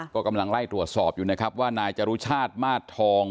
ก็กำลังไล่ตรวจสอบอยู่นะครับว่านายจรุชาติมาสทอง